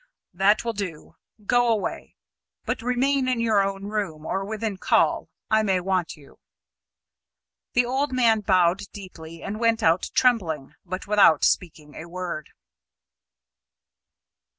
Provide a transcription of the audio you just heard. "That will do. Go away; but remain in your own room, or within call. I may want you." The old man bowed deeply and went out trembling, but without speaking a word.